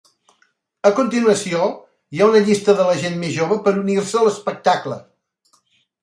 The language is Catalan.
A continuació hi ha una llista de la gent més jove per unir-se a l'espectacle.